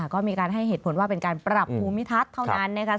ก็มีการให้เหตุผลว่าเป็นการปรับภูมิทัศน์เท่านั้นนะคะ